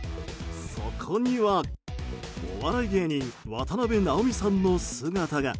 そこには、お笑い芸人渡辺直美さんの姿が。